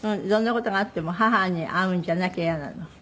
どんな事があっても母に会うんじゃなきゃイヤなの。